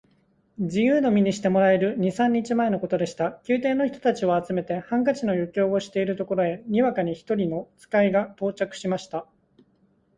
自由の身にしてもらえる二三日前のことでした。宮廷の人たちを集めて、ハンカチの余興をしているところへ、にわかに一人の使が到着しました。